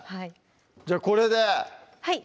じゃあこれではい